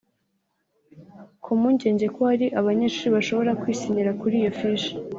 Ku mpungenge ko hari abanyeshuri bashobora kwisinyira kuri iyo fishi